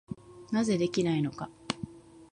なぜできないのか。